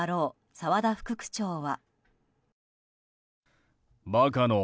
澤田副区長は。